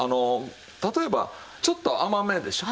例えばちょっと甘めでしょう